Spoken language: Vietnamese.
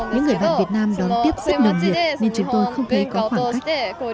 những người bạn việt nam đón tiếp rất nồng nghiệp nên chúng tôi không thể có khoảng cách